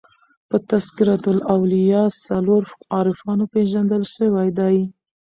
په "تذکرةالاولیاء" څلور عارفانو پېژندل سوي دي.